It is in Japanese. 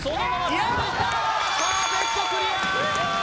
パーフェクトクリア！